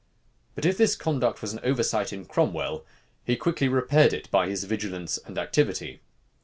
But if this conduct was an oversight in Cromwell, he quickly repaired it by his vigilance and activity.